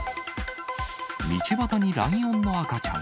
道端にライオンの赤ちゃん。